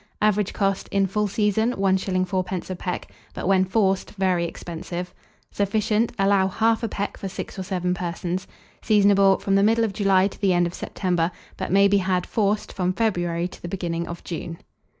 Average cost, in full season, 1s. 4d. a peck; but, when forced, very expensive. Sufficient. Allow 1/2 peck for 6 or 7 persons. Seasonable from the middle of July to the end of September; but may be had, forced, from February to the beginning of June.